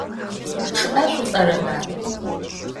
ЧъыӀэ шъулӀэрэба?